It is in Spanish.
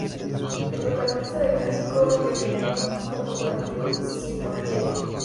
Es protagonista del clásico rionegrino junto con el Club Cipolletti.